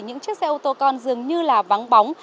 những chiếc xe ô tô con dường như là vỡ